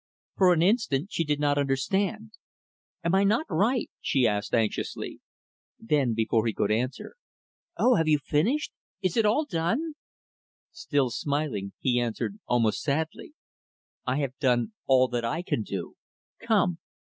For an instant, she did not understand. "Am I not right?" she asked anxiously. Then, before he could answer "Oh, have you finished? Is it all done?" Still smiling, he answered almost sadly, "I have done all that I can do. Come."